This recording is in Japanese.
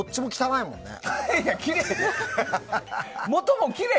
いやいや、きれい！